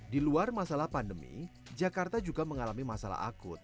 di luar masalah pandemi jakarta juga mengalami masalah akut